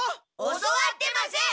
教わってません！